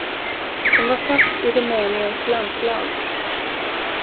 Hon var fast i Rumäniens landslag